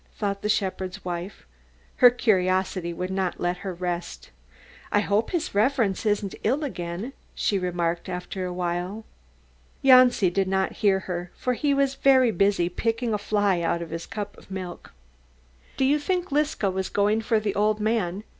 thought the shepherd's wife. Her curiosity would not let her rest. "I hope His Reverence isn't ill again," she remarked after a while. Janci did not hear her, for he was very busy picking a fly out of his milk cup. "Do you think Liska was going for the old man?"